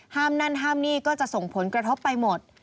นั่นห้ามนี่ก็จะส่งผลกระทบไปหมด